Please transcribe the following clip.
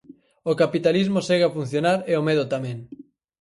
O capitalismo segue a funcionar e o medo tamén.